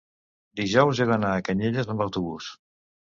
dijous he d'anar a Canyelles amb autobús.